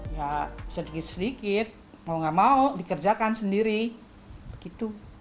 ya sedikit sedikit mau gak mau dikerjakan sendiri begitu